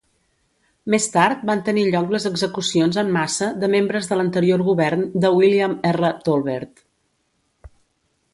Més tard van tenir lloc les execucions en massa de membres de l'anterior govern de William R. Tolbert.